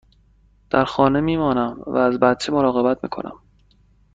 در خانه می مانم و از بچه ها مراقبت می کنم.